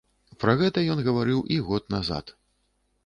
Пра гэта ён гаварыў і год назад.